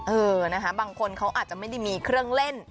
เออนะคะบางคนเขาอาจจะไม่ได้มีเครื่องเล่น